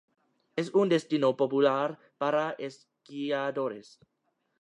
Es un destino popular para esquiadores.